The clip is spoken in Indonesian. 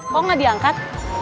kok gak diangkat